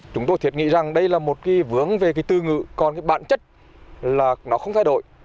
chúng tôi thiệt nghĩ rằng đây là một vướng về từ ngữ còn bản chất là nó không thay đổi